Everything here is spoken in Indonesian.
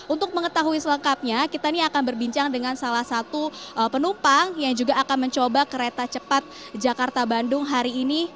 untuk mengetahui selengkapnya kita ini akan berbincang dengan salah satu penumpang yang juga akan mencoba kereta cepat jakarta bandung hari ini